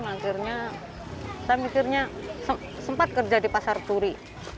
akhirnya saya mikirnya sempat kerja di pasar turi